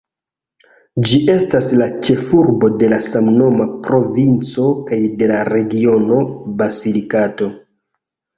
Ĝi estas la ĉefurbo de la samnoma provinco kaj de la regiono Basilikato.